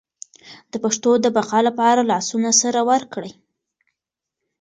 د پښتو د بقا لپاره لاسونه سره ورکړئ.